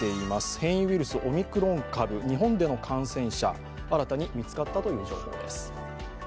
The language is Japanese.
変異ウイルス、オミクロン株、日本での感染者が新たに見つかったという情報です。